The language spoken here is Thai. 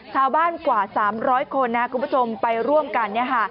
สาวบ้านกว่า๓๐๐คนนะครับคุณผู้ชมไปร่วมกัน